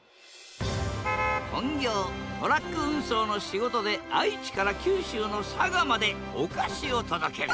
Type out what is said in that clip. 本業トラック運送の仕事で愛知から九州の佐賀までお菓子を届ける。